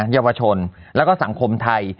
เยาวชนแล้วก็สังคมไทย